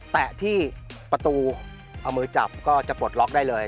แตะที่ประตูเอามือจับก็จะปลดล็อกได้เลย